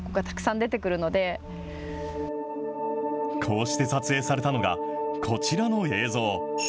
こうして撮影されたのが、こちらの映像。